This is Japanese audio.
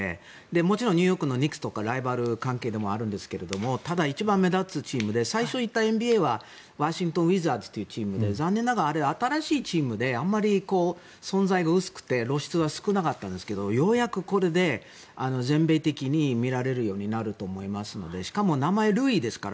もちろんニューヨークのニックとライバル関係でもあるんですがただ、一番目立つチームで最初言ったＮＢＡはワシントン・ウィザーズというチームで残念ながら新しいチームで露出は少なかったんですがこれでメディアでも見られるようになると思いますのでしかも名前も塁ですから。